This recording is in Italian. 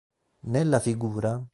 Nella fig.